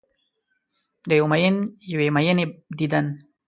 د یو میین یوې میینې دیدن